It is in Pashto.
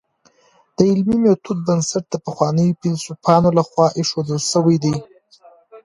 د علمي ميتود بنسټ د پخوانیو فيلسوفانو لخوا ايښودل سوی دی.